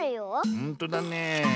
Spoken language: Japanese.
ほんとだねえ。